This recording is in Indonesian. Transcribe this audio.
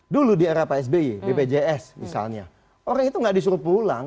dulu di era pak sby bpjs misalnya orang itu nggak disuruh pulang